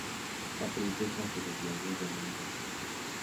La princesa se desmayó llamando a su hijo.